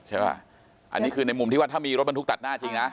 ใช่ไหมอันนี้คือในมุมที่ว่าถ้ามีรถบรรทุกตัดหน้าจริงนะ